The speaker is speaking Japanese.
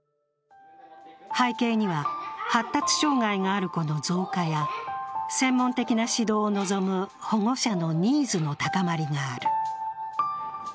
背景には、発達障害がある子の増加や専門的な指導を望む保護者のニーズの高まりがある。